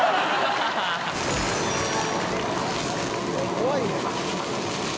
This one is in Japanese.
「怖いね」